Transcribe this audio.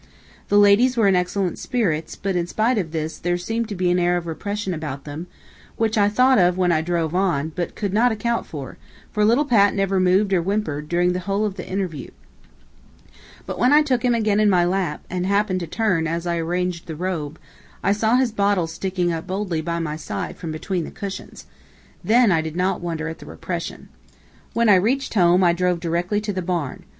The ladies were in excellent spirits, but in spite of this, there seemed to be an air of repression about them, which I thought of when I drove on, but could not account for, for little Pat never moved or whimpered, during the whole of the interview. But when I took him again in my lap, and happened to turn, as I arranged the robe, I saw his bottle sticking up boldly by my side from between the cushions. Then I did not wonder at the repression. When I reached home, I drove directly to the barn.